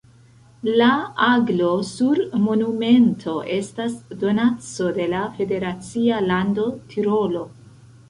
La aglo sur monumento estas donaco de la federacia lando Tirolo.